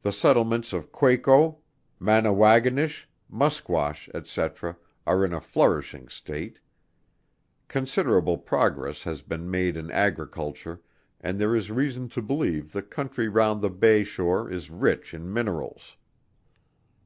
The settlements of Quaco, Manawagonish, Musquash, &c. are in a flourishing state. Considerable progress has been made in Agriculture, and there is reason to believe the country round the Bay shore is rich in minerals.